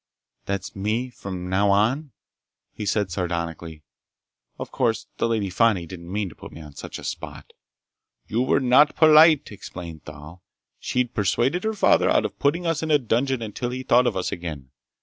"That's me from now on?" he said sardonically. "Of course the Lady Fani didn't mean to put me on such a spot!" "You were not polite," explained Thal. "She'd persuaded her father out of putting us in a dungeon until he thought of us again.